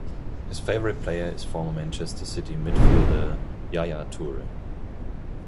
His favorite player is former Manchester City midfielder Yaya Toure.